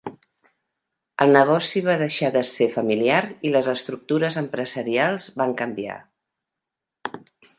El negoci va deixar de ser familiar i les estructures empresarials van canviar.